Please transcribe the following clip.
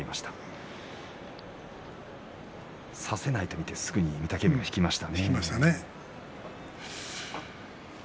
差せないと見て御嶽海引きましたね。